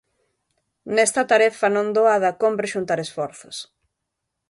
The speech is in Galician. Nesta tarefa non doada cómpre xuntar esforzos.